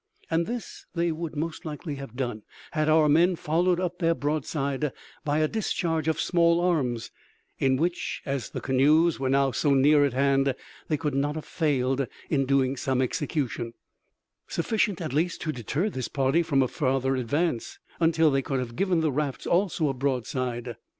And this they would most likely have done had our men followed up their broadside by a discharge of small arms, in which, as the canoes were now so near at hand, they could not have failed in doing some execution, sufficient, at least, to deter this party from a farther advance, until they could have given the rafts also a broadside.